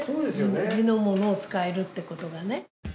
地のものを使えるってことがね。